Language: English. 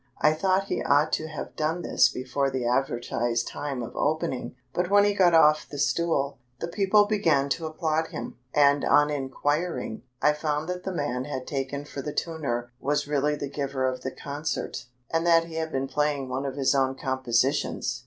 I thought he ought to have done this before the advertised time of opening, but when he got off the stool, the people all began to applaud him, and on inquiring, I found that the man I had taken for the tuner was really the giver of the concert, and that he had been playing one of his own compositions.